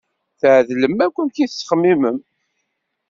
Tɛedlem akk amek i tettxemimem.